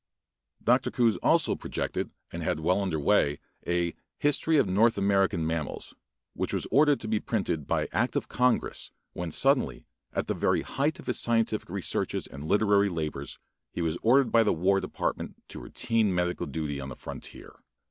Dr. Coues also projected and had well under way a "History of North American Mammals," which was ordered to be printed by act of Congress when suddenly, at the very height of his scientific researches and literary labors, he was ordered by the war department to routine medical duty on the frontier.